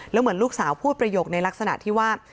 แล้วเหมือนลูกสาวพูดประโยคในลักษณะที่ว่า